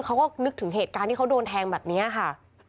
เขาก็นึกถึงเหตุการณ์ที่เขาโดนแทงแบบนี้ค่ะ